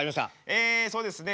えそうですね